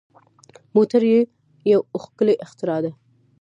موټر یو ښکلی اختراع ده.